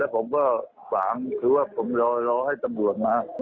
แล้วผมก็หวังคือว่าผมรอให้ตำรวจมา